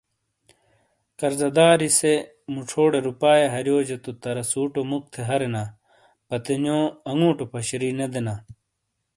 قرضہ داری سے مُوچھوڑے رُوپائے ہَرِیوجہ تو تَراسُوٹو مُوک تھے ہَرینا پتنِیوانگُوٹو پَشاری نے دینا۔